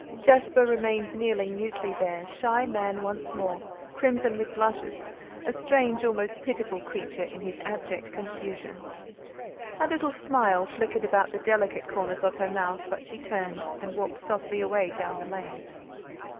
Jasper remained kneeling mutely there, shy man once more, crimson with blushes, a strange, almost pitiful creature in his abject confusion. A little smile flickered about the delicate corners of her mouth, but she turned and walked swiftly away down the lane.